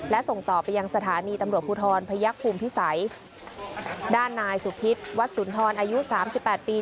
และส่งต่อไปยังสถานีตำรวจภูทรพยักษ์ภูมิพิสัยด้านนายสุพิษวัดสุนทรอายุสามสิบแปดปี